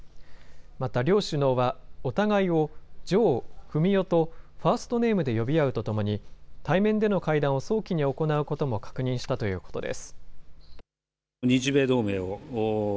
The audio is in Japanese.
また両首脳はお互いをジョー、フミオとファーストネームで呼び合うとともに対面での会談を早期に行うことも確認したということです。